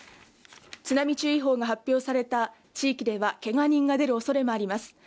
津波注意報が発表された地域では、けが人が出る恐れもあります